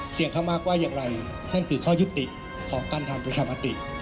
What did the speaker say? ข้างมากว่าอย่างไรนั่นคือข้อยุติของการทำประชามติ